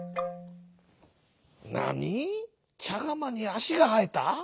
「なに？ちゃがまにあしがはえた？